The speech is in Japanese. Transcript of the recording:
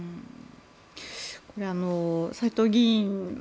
これ、斎藤議員